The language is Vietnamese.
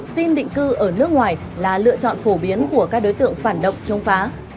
xin định cư ở nước ngoài là lựa chọn phổ biến của các đối tượng phản động chống phá